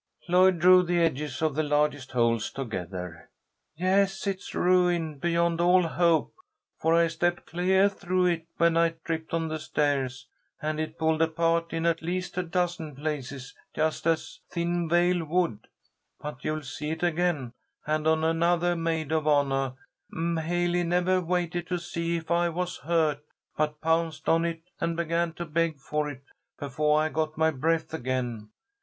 Lloyd drew the edges of the largest holes together. "Yes, it's ruined beyond all hope, for I stepped cleah through it when I tripped on the stairs, and it pulled apart in at least a dozen places, just as a thin veil would. But you'll see it again, and on anothah maid of honah. M'haley nevah waited to see if I was hurt, but pounced on it and began to beg for it befoah I got my breath again.